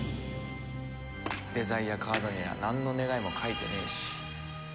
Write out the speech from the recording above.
デザイアカードにはなんの願いも書いてねえし。